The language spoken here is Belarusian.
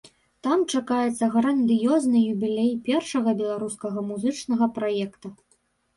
Там чакаецца грандыёзны юбілей першага беларускага музычнага праекта.